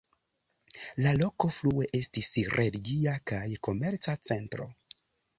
La loko frue estis religia kaj komerca centro.